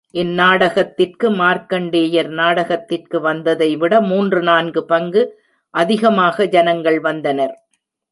இந் நாடகத்திற்கு, மார்க்கண்டேயர் நாடகத்திற்கு வந்ததைவிட மூன்று நான்கு பங்கு அதிகமாக ஜனங்கள் வந்தனர்.